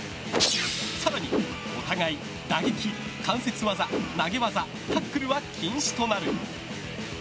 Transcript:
更にお互い、打撃、関節技投げ技、タックルは禁止となる。